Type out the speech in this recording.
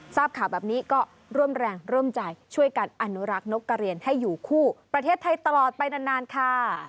ทราบข่าวแบบนี้ก็ร่วมแรงร่วมใจช่วยกันอนุรักษ์นกกระเรียนให้อยู่คู่ประเทศไทยตลอดไปนานค่ะ